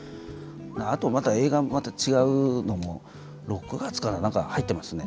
あとまた映画もまた違うのも６月かな何か入ってますね。